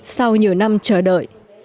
sau nhiều năm trở thành